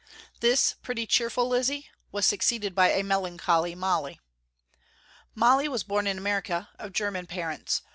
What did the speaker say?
This pretty, cheerful Lizzie was succeeded by a melancholy Molly. Molly was born in America, of german parents.